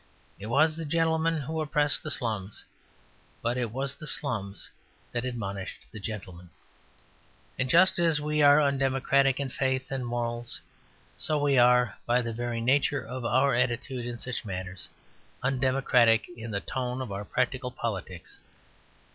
It was the gentleman who oppressed the slums; but it was the slums that admonished the gentleman. And just as we are undemocratic in faith and morals, so we are, by the very nature of our attitude in such matters, undemocratic in the tone of our practical politics.